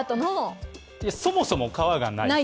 そもそも皮がない。